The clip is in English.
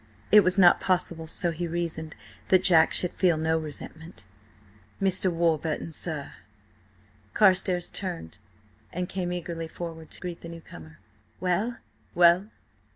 It was not possible, so he reasoned, that Jack should feel no resentment. ... "Mr. Warburton, sir." Carstares turned and came eagerly forward to greet the newcomer. "Well? Well?"